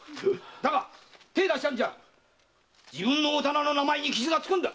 だが手を出したんじゃあ自分のお店の名前に傷がつくんだ！